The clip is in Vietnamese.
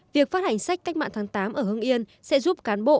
việc phát hành sách cách mạng tháng tám ở hương nghiên sẽ giúp cán bộ